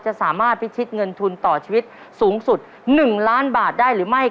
สามารถพิชิตเงินทุนต่อชีวิตสูงสุด๑ล้านบาทได้หรือไม่